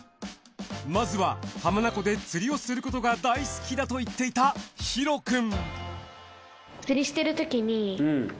まずは浜名湖で釣りをすることが大好きだと言っていたヒロくん。